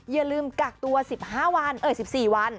อย่าลืมกักตัว๑๔วัน